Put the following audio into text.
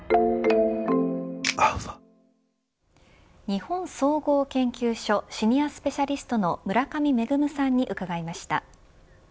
日本総合研究所シニアスペシャリストの村上芽さんに伺いました。